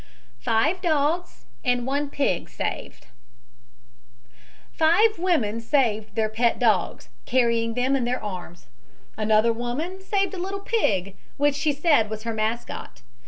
FIVE DOGS AND ONE PIG SAVED "Five women saved their pet dogs, carrying them in their arms. Another woman saved a little pig, which she said was her mascot.